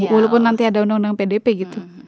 walaupun nanti ada undang undang pdp gitu